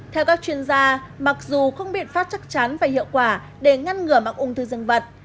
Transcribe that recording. theo các chuyên gia mặc dù không biện pháp chắc chắn và hiệu quả để ngăn ngừa mạng ung thư dân vật